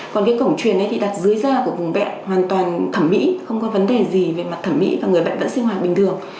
còn cái cổng truyền đặt dưới da của vùng bệnh hoàn toàn thẩm mỹ không có vấn đề gì về mặt thẩm mỹ và người bệnh vẫn sinh hoạt bình thường